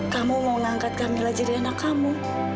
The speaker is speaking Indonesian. kamu mau mengangkat kamila jadi anak kamu